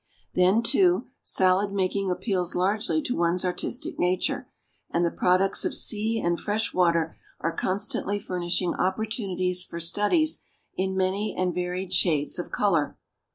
Then, too, salad making appeals largely to one's artistic nature, and the products of sea and fresh water are constantly furnishing opportunities for studies in many and varied shades of color.